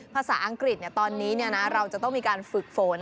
ภาษาอังกฤษตอนนี้เราจะต้องมีการฝึกฝน